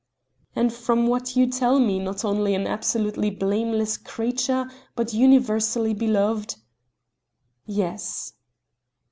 "And from what you tell me not only an absolutely blameless creature, but universally beloved?" "Yes."